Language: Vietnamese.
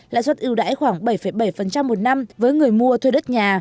lãi suất ưu đãi khoảng bảy bảy một năm với người mua thuê đất nhà